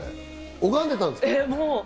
拝んでたんですか？